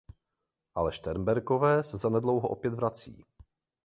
Ale Šternberkové se zanedlouho opět vrací.